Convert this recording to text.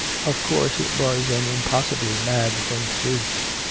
Of course it was an impossibly mad thing to do.